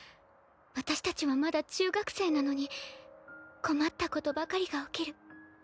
私たちはまだ中学生なのに困ったことばかりが起きる。